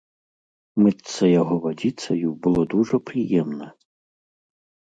Мыцца яго вадзіцаю было дужа прыемна.